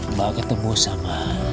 mbak ketemu sama